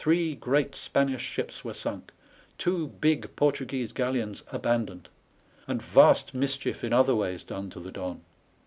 Three great Spanish ships were sunk, two big Portuguese galleons abandoned; and vast mischief in other ways done to the Don.